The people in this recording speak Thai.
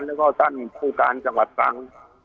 แล้วก็ตั้งผู้การจังหวัดสัง